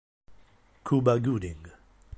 Cuba Gooding